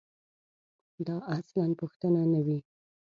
دا اصلاً پوښتنه نه وي.